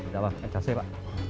dạ vâng em chào xếp ạ